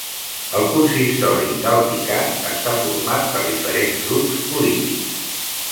El consistori d'Alpicat està format per diferents grups polítics